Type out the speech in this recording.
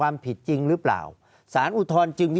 ภารกิจสรรค์ภารกิจสรรค์